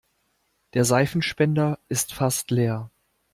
Der Seifenspender ist fast leer.